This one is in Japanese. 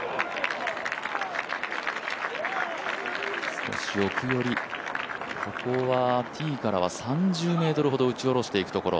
少し奥より、ここはティーからは３０ｍほど打ち下ろしていくところ。